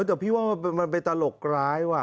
แต่พี่ว่ามันเป็นตลกร้ายว่ะ